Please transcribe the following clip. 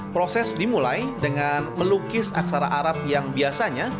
proses dimulai dengan melukis aksara arab yang biasanya